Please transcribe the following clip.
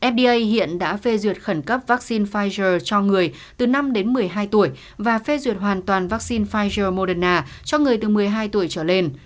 fda hiện đã phê duyệt khẩn cấp vaccine pfizer cho người từ năm đến một mươi hai tuổi và phê duyệt hoàn toàn vaccine pfizer moderna cho người từ một mươi hai tuổi trở lên